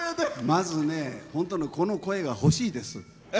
まずねホントにこの声が欲しいです。